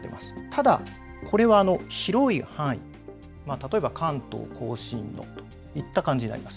ただこれは広い範囲、例えば関東甲信のといった感じになります。